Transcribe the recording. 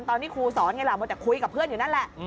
ตอนนี้ครูสอนไงล่ะแต่คุยกับเพื่อนอยู่นั่นแหละ